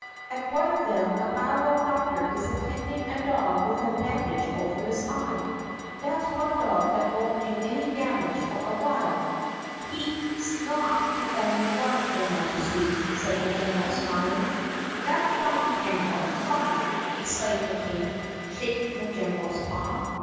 At one of them a bowwow doctor is attending a dog with a ban dage over his eye. That 's one dog that won't do any damage for a while." "He 's not the only one, your Majesty," said the general smiling. "That's fine, General, fine!" exclaimed the King shaking the general's paw.